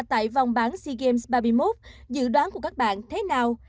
tại vòng bán sea games ba mươi một dự đoán của các bạn thế nào